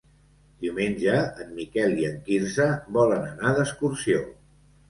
Diumenge en Miquel i en Quirze volen anar d'excursió.